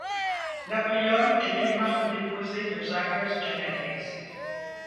L'aprium est une marque déposée de Zaiger's Genetics.